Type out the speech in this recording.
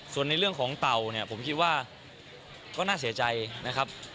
ส่วนในเรื่องของเต่าเนี่ยผมคิดว่าก็น่าเสียใจนะครับ